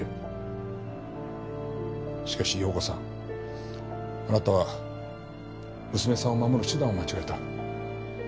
しかし瑤子さんあなたは娘さんを守る手段を間違えた。